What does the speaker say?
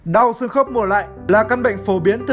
đau xương khớp mùa lạnh